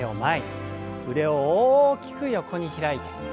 腕を大きく横に開いて。